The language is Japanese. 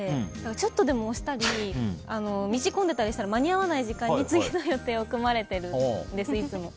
ちょっとでも押したり道が混んでたりしたら間に合わない時間に次の予定を組まれてるんです。